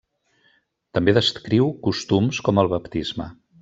També descriu costums com el baptisme.